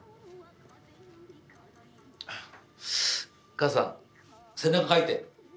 母さん背中かいて。